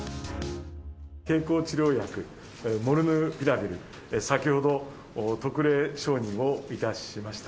経口治療薬、モルヌピラビル、先ほど特例承認をいたしました。